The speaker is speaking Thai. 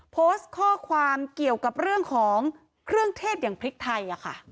โพสต์ข้อความเกี่ยวกับเรื่องของเครื่องเทศอย่างพริกไทย